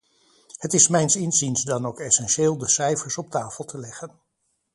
Het is mijns inziens dan ook essentieel de cijfers op tafel te leggen.